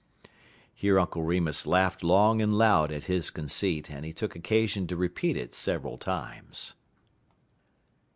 Here Uncle Remus laughed long and loud at his conceit, and he took occasion to repeat it several times.